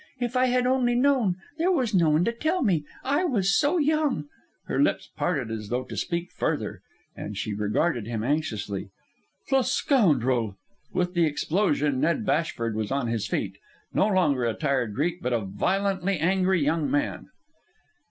If I had only known... There was no one to tell me... I was so young " Her lips parted as though to speak further, and she regarded him anxiously. "The scoundrel!" With the explosion Ned Bashford was on his feet, no longer a tired Greek, but a violently angry young man.